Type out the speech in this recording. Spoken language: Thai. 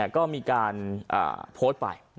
ก็มีการโพสต์ไป